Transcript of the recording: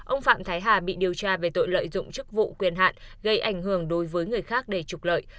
ông phạm thái hà bị điều tra về tội lợi dụng chức vụ quyền hạn gây ảnh hưởng đối với người khác để trục lợi